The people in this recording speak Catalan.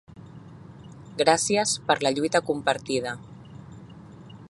Gràcies per la lluita compartida.